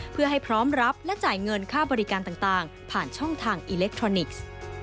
เพื่อให้พร้อมรับและจ่ายเงินค่าบริการต่างผ่านช่องทางอิเล็กทรอนิกส์